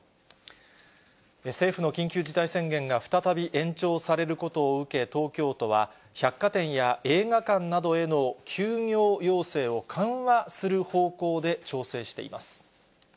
政府の緊急事態宣言が再び延長されることを受け、東京都は百貨店や映画館などへの休業要請を緩和する方向で調整しています。